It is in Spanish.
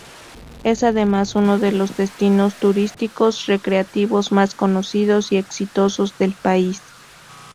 Es además uno de los destinos turísticos recreativos más conocidos y exitosos del país.